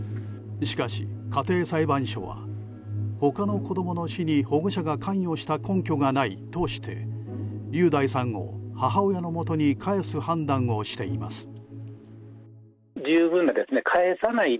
しかし、家庭裁判所は他の子供の死に保護者が関与した根拠がないとして雄大さんを母親のもとに帰す判断をしています。